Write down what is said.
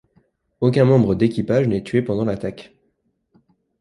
Aucun membres d'équipage n'est tué pendant l'attaque.